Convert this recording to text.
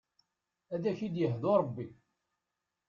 Ad k-id-yehdu Rebbi.